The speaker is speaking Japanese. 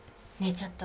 ちょっと。